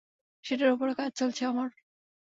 সেটার উপরও কাজ চলছে, অমর।